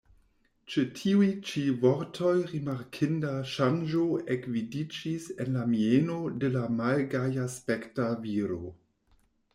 Ĉe tiuj ĉi vortoj rimarkinda ŝanĝo ekvidiĝis en la mieno de la malgajaspekta viro.